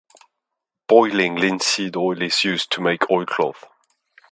Boiling linseed oil is used to make oilcloth.